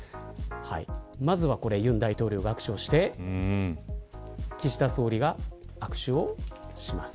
まずは、尹大統領が握手をして岸田総理が握手をします。